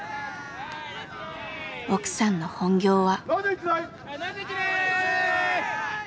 奥さんの本業は。